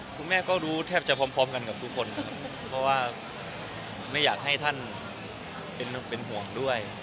คุณแม่ก็รู้แทบจะพร้อมกันกับทุกคนนะครับเพราะว่าไม่อยากให้ท่านเป็นห่วงด้วย